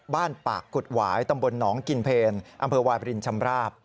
ปากกุฎหวายตำบลหนองกินเพลอำเภอวายบรินชำราบ